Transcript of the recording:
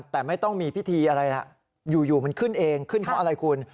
แต่ไม่ต้องมีพิธีอะไรล่ะอยู่มันขึ้นเองขึ้นเพราะอะไรคุณ